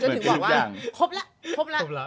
ผมก็ถือว่าว่าครบแลละ